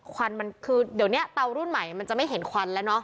วันมันคือเดี๋ยวนี้เตารุ่นใหม่มันจะไม่เห็นควันแล้วเนาะ